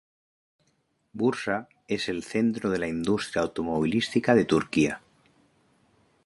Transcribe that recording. Bursa es el centro de la industria automovilística de Turquía.